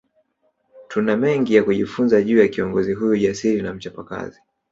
Tuna mengi ya kujifunza juu ya kiongozi huyu jasiri na mchapakazi